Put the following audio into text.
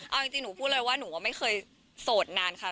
เอาจริงหนูพูดเลยว่าหนูไม่เคยโสดนานค่ะ